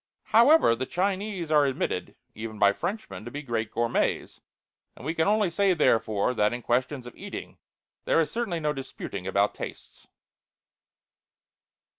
However, the Chinese are admitted, even by Frenchmen, to be great gourmets; and we can only say, therefore, that in questions of eating there is certainly no disputing about tastes.